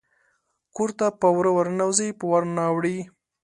کور ته په وره ورننوزي په ور نه اوړي